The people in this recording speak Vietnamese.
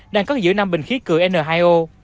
đang cất giữ năm bình khí cười n hai o